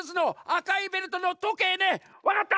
☎わかった！